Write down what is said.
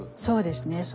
そうですね。